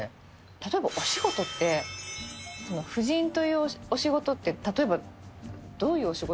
例えばお仕事って夫人というお仕事って例えばどういうお仕事。